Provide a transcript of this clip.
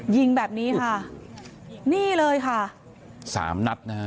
ยิงแบบนี้ค่ะนี่เลยค่ะสามนัดนะฮะ